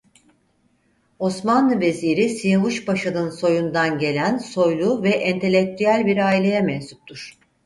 Osmanlı Veziri Siyavuş Paşa'nın soyundan gelen soylu ve entelektüel bir aileye mensuptur.